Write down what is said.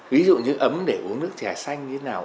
ví dụ như ấm để uống nước chè xanh như thế nào